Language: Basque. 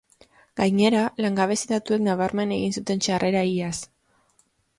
Gainera, langabezi datuek nabarmen egin zuten txarrera iaz.